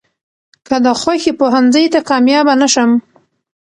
،که د خوښې پوهنځۍ ته کاميابه نشم.